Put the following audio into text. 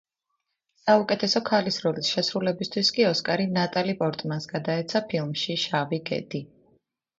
საუკეთესო ქალის როლის შესრულებისთვის კი ოსკარი ნატალი პორტმანს გადაეცა, ფილმში „შავი გედი“.